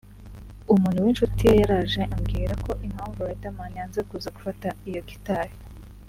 umuntu w’inshuti ye yaraje ambwira ko impamvu Riderman yanze kuza gufata iyo gitari